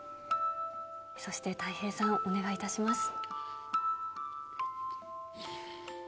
そしてたい平さん、お願いいたします。